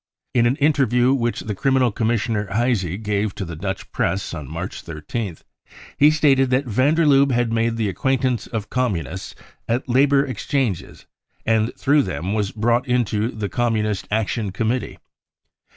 In an inter view which the Criminal Commissioner Heisy gave to the Dutch Press on March 13th, he stated that van der Lubbe had mad© the acquaintance of Communists at labour ex changes and through them was brought into the Com munist " Action Committee."